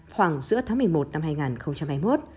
khoảng giữa tháng một mươi một năm hai nghìn hai mươi một